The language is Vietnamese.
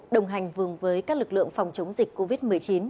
đồng hành cùng với các lực lượng phòng chống dịch covid một mươi chín